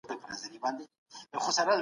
د ټولني جوړښت څنګه دی؟